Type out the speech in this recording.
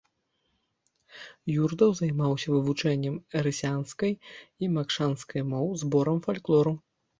Юртаў займаўся вывучэннем эрзянскай і макшанскай моў, зборам фальклору.